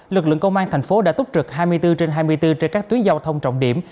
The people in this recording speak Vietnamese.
lực lượng công an thành phố đã túc trực hai mươi bốn trên hai mươi bốn trên các tuyến giao thông trọng điểm